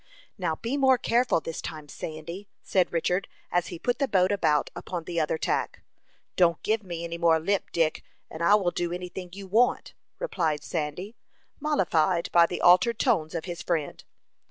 "Now be more careful, this time, Sandy," said Richard, as he put the boat about upon the other tack. "Don't give me any more lip, Dick, and I will do any thing you want," replied Sandy, mollified by the altered tones of his friend.